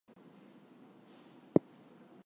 Thus Christians could lend to Jews and vice versa.